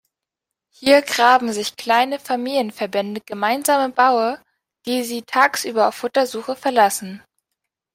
Hier graben sich kleine Familienverbände gemeinsame Baue, die sie tagsüber auf Futtersuche verlassen.